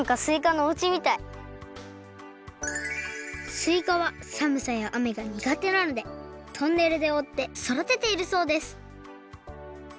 すいかはさむさやあめがにがてなのでトンネルでおおってそだてているそうです